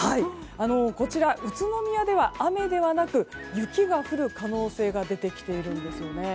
こちら、宇都宮では雨ではなく雪が降る可能性が出てきているんです。